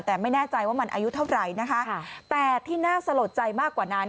แต่ไม่แน่ใจว่ามันอายุเท่าไหร่นะคะแต่ที่น่าสลดใจมากกว่านั้น